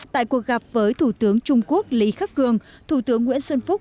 tại cuộc gặp với thủ tướng trung quốc lý khắc cường thủ tướng nguyễn xuân phúc